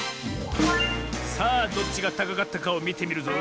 さあどっちがたかかったかをみてみるぞ。